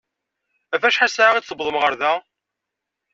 Ɣef acḥal ssaɛa i d-tewwḍem ar da?